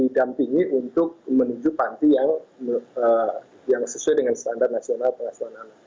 didampingi untuk menuju panti yang sesuai dengan standar nasional pengasuhan anak